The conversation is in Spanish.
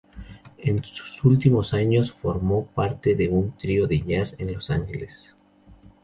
En sus últimos años formó parte de un trío de jazz en Los Ángeles.